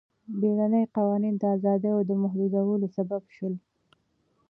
بیړني قوانین د ازادیو د محدودولو سبب شول.